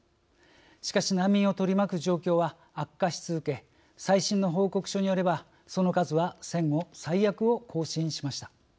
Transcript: しかし、難民を取り巻く状況は悪化し続け最新の報告書によればその数は戦後最悪を更新しました。